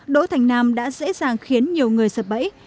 đỗ thành nam đã dễ dàng khiến nhiều người sập bẫy